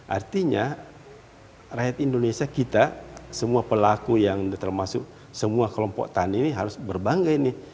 artinya rakyat indonesia kita semua pelaku yang termasuk semua kelompok tani ini harus berbangga ini